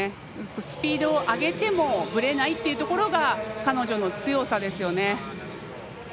スピードを上げてもぶれないというところが彼女の強さですよね。